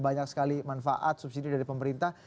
banyak sekali manfaat subsidi dari pemerintah